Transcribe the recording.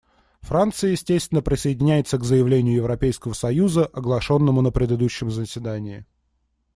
Франция, естественно, присоединяется к заявлению Европейского союза, оглашенному на предыдущем заседании.